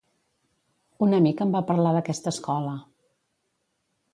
Un amic em va parlar d'aquesta escola.